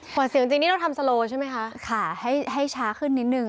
หวัดเสียวจริงจริงนี่เราทำใช่ไหมคะค่ะให้ให้ช้าขึ้นนิดหนึ่ง